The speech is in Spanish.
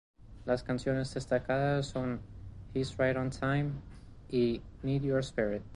Las canciones destacadas son "He's Right On Time" y "I Need Your Spirit".